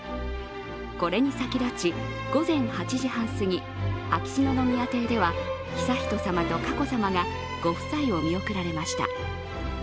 これに先立ち午前８時半すぎ秋篠宮邸では悠仁さまと佳子さまがご夫妻を見送られました。